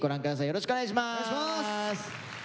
よろしくお願いします。